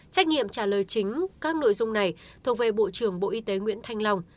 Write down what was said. trách nhiệm trả lời chính các nội dung này thuộc về bộ trưởng bộ y tế nguyễn thanh long